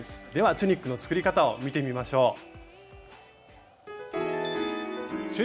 ではチュニックの作り方を見てみましょう。